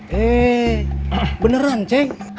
hei beneran ceng